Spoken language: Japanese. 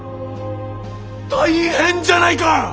大変じゃないか！